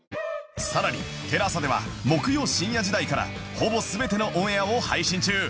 更に ＴＥＬＡＳＡ では木曜深夜時代からほぼ全てのオンエアを配信中